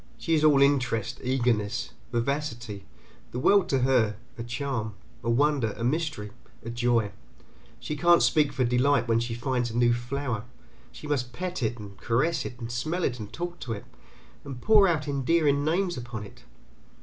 She is all interest, eagerness, vivacity, the world is to her a charm, a wonder, a mystery, a joy; she can't speak for delight when she finds a new flower, she must pet it and caress it and smell it and talk to it, and pour out endearing names upon it.